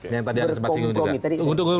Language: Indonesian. yang tadi anda sempat singgung juga